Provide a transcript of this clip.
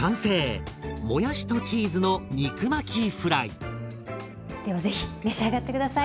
完成！では是非召し上がって下さい。